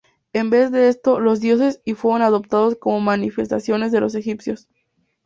En vez de esto, los dioses y fueron adoptados como manifestaciones de los egipcios.